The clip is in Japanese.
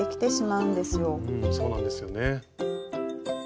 うんそうなんですよね。